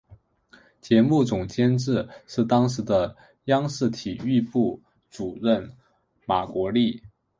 节目总监制是当时的央视体育部主任马国力。